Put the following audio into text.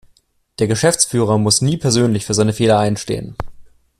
Der Geschäftsführer muss nie persönlich für seine Fehler einstehen.